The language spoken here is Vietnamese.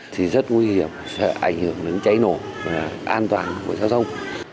thì rất nguy hiểm sẽ ảnh hưởng đến cháy nổ và an toàn của giao thông